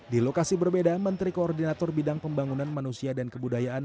di lokasi berbeda menteri koordinator bidang pembangunan manusia dan kebudayaan